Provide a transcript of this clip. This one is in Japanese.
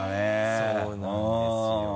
そうなんですよ。